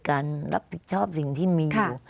รับผิดชอบสิ่งที่มีอยู่